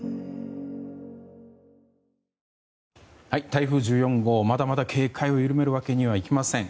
台風１４号はまだまだ警戒を緩めるわけにはいきません。